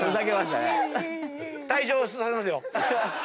退場させますよ。